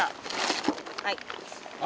はい。